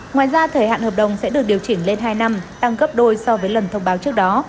ngoài ra thời hạn hợp đồng sẽ được điều chỉnh lên hai năm tăng gấp đôi so với lần thông báo trước đó